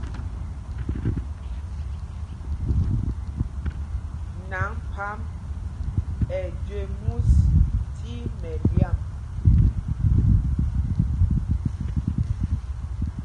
Nǎŋgphǎmb ɛ jüé mūs tí mɛlyǎm.